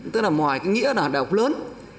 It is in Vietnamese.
tức là ngoài cái nghĩa là đại học lớn